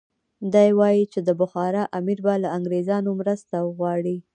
دی وایي چې د بخارا امیر به له انګریزانو مرسته وغواړي.